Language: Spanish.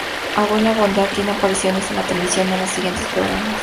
Abuela Bondad tiene apariciones en la televisión en los siguientes programas.